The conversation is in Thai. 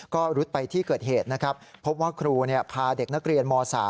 ก็รุดไปที่เกิดเหตุนะครับพบว่าครูพาเด็กนักเรียนม๓